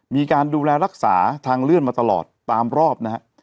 มีการดูแลรักษาทางเลื่อนมาตลอดตามรอบนะฮะ